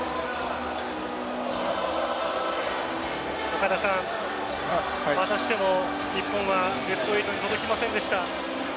岡田さん、またしても日本はベスト８に届きませんでした。